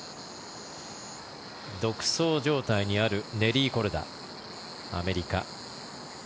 独走状態にあるネリー・コルダアメリカ。